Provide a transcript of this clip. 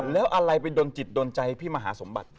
แล้วอะไรไปโดนจิตโดนใจพี่มหาสมบัติ